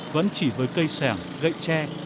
vẫn chỉ với cây sẻng gậy tre